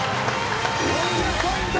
４０ポイント！